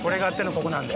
ここなんで。